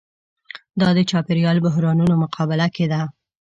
دا د چاپېریال بحرانونو مقابله کې ده.